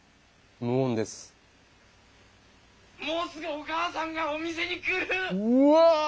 もうすぐお母さんがお店に来る！